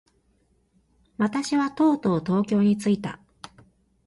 私はとうとう東京に着いた。